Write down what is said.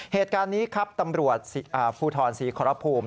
เหตุการณ์นี้ครับตำรวจภูทรศรีขอรภูมิ